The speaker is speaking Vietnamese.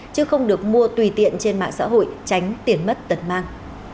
chứ không được mua tùy tiện trên mạng xã hội tránh tiền mất tật mang